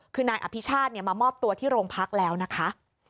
คือนายอภิชาติมามอบตัวที่โรงพักแล้วนะคะ